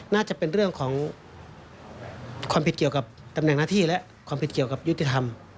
น่าจะเป็นเรื่องของความผิดเกี่ยวกับตำแหน่งหน้าที่และความผิดเกี่ยวกับยุติธรรม